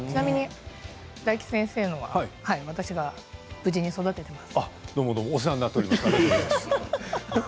ちなみに大吉先生のは私が無事に育てています。